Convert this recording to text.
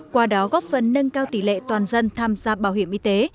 qua đó góp phần nâng cao tỷ lệ toàn dân tham gia bảo hiểm y tế